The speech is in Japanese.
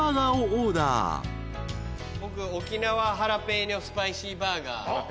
僕オキナワハラペーニョスパイシーバーガー。